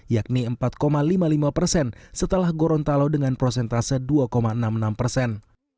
yakni empat lima puluh lima persen setelah gorontalo dengan prosentase dua enam puluh enam persen